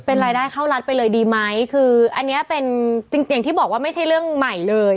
เป็นรายได้เข้ารัฐไปเลยดีไหมคืออันนี้เป็นจริงอย่างที่บอกว่าไม่ใช่เรื่องใหม่เลย